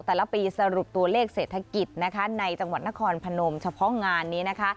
แต่ละปีสรุปตัวเลขเศรษฐกิจนะคะในจังหวัดนครพนมเฉพาะงานนี้นะคะ